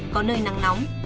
có nơi nắng nóng